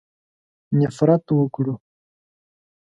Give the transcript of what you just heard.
نفرت وکړو.